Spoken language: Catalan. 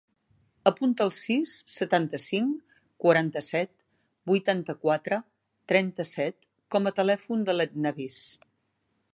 Apunta el sis, setanta-cinc, quaranta-set, vuitanta-quatre, trenta-set com a telèfon de l'Etna Beas.